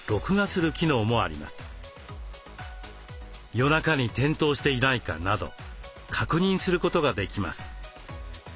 夜中に転倒していないかなど確認することができます。